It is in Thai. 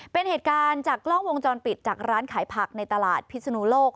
เป็นเหตุการณ์จากกล้องวงจรปิดจากร้านขายผักในตลาดพิศนุโลก